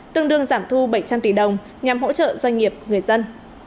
tương đương giảm thu bảy trăm linh tỷ đồng nhằm hỗ trợ doanh nghiệp người dân